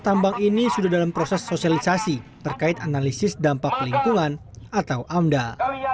tambang ini sudah dalam proses sosialisasi terkait analisis dampak lingkungan atau amdal